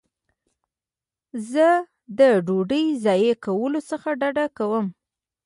زه له ډوډۍ ضایع کولو څخه ډډه کوم.